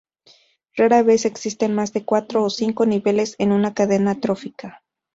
Rara vez existen más de cuatro o cinco niveles en una cadena trófica.